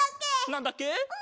なんだっけ？